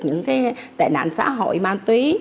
những cái tệ nạn xã hội ma túy